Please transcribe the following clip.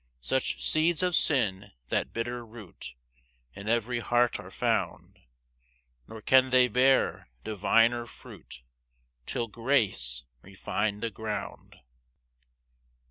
6 Such seeds of sin (that bitter root) In every heart are found; Nor can they bear diviner fruit, Till grace refine the ground.